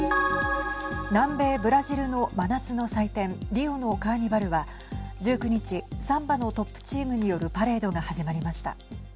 南米ブラジルの真夏の祭典リオのカーニバルは１９日サンバのトップチームによるパレードが始まりました。